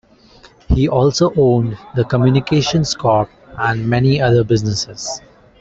He also owned The Communications Corp and many other businesses.